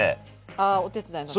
ああお手伝いの時？